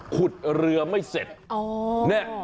ขุดเรือไม่เสร็จอ๋อ